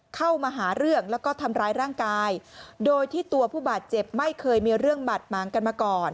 เข้ามาหาเรื่องแล้วก็ทำร้ายร่างกายโดยที่ตัวผู้บาดเจ็บไม่เคยมีเรื่องบาดหมางกันมาก่อน